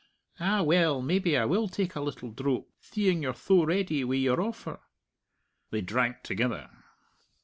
Ah, well, maybe I will take a little drope, theeing you're tho ready wi' your offer." They drank together.